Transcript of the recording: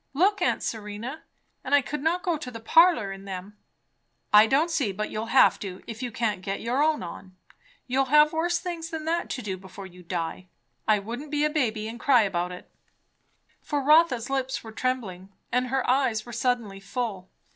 Look, aunt Serena. And I could not go to the parlour in them." "I don't see but you'll have to, if you can't get your own on. You'll have worse things than that to do before you die. I wouldn't be a baby, and cry about it." For Rotha's lips were trembling and her eyes were suddenly full.